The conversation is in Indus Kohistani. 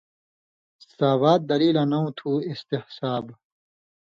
ساوات دلیلاں نؤں تُھو اِستِصحاب